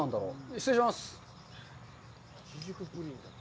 失礼します。